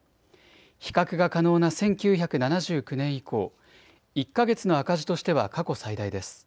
比較が可能な１９７９年以降、１か月の赤字としては過去最大です。